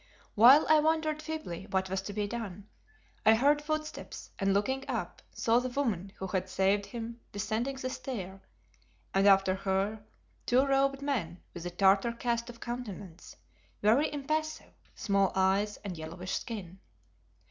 While I wondered feebly what was to be done, I heard footsteps, and looking up, saw the woman who had saved him descending the stair, and after her two robed men with a Tartar cast of countenance, very impassive; small eyes and yellowish skin.